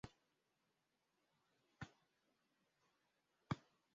Bere lehenengo arrakasta eta lehenengo sariak Uruguain irabazi zituen.